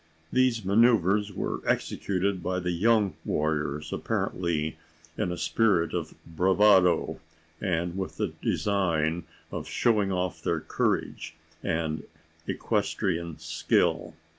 These manoeuvres were executed by the young warriors, apparently in a spirit of bravado, and with the design of showing off their courage and equestrian skill.